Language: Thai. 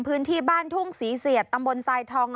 พื้นที่บ้านทุ่งศรีเสียดตำบลทรายทอง